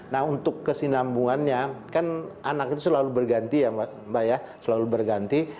nah untuk kesinambungannya kan anak itu selalu berganti ya mbak ya selalu berganti